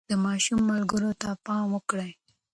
د ماشوم ملګرو ته پام وکړئ.